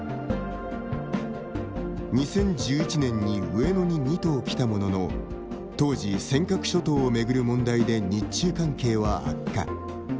２０１１年に上野に２頭来たものの当時、尖閣諸島を巡る問題で日中関係は悪化。